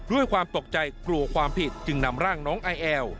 ด้วยความตกใจกลัวความผิดจึงนำร่างน้องไอแอล